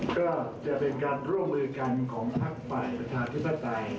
ก็จะเป็นการร่วมมือกันของพักฝ่ายประชาธิปไตย